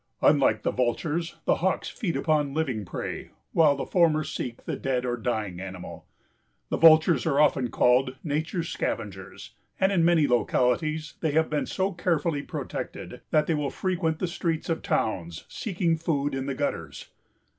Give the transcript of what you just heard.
Unlike the vultures the Hawks feed upon living prey while the former seek the dead or dying animal. The vultures are often called "Nature's Scavengers," and in many localities they have been so carefully protected that they will frequent the streets of towns, seeking food in the gutters.